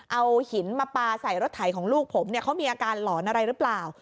เอาหินมาปลาใส่รถไถของลูกผมเนี่ยเขามีอาการหลอนอะไรหรือเปล่า